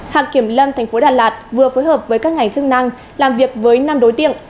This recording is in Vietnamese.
hạng kiểm lâm thành phố đà lạt vừa phối hợp với các ngành chức năng làm việc với năm đối tiện